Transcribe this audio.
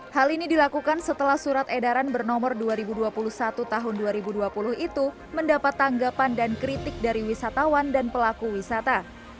hal ini dilakukan setelah surat edaran bernomor dua ribu dua puluh satu tahun dua ribu dua puluh itu mendapat tanggapan dan kritik dari wisatawan dan pelaku wisata